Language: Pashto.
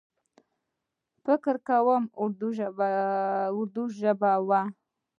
فکر کوم اردو ژبۍ و.